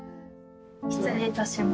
失礼いたします。